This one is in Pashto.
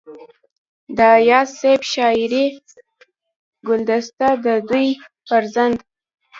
د اياز صيب شعري ګلدسته دَ دوي فرزند